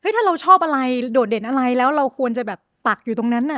ถ้าเราชอบอะไรโดดเด่นอะไรแล้วเราควรจะแบบปักอยู่ตรงนั้น